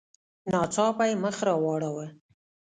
ناڅاپه یې مخ را واړاوه.